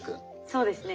そうですね